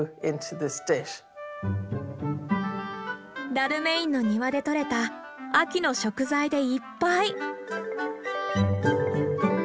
ダルメインの庭で採れた秋の食材でいっぱい。